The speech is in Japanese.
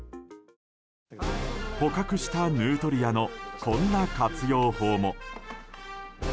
捕獲したヌートリアのこんな活用法も。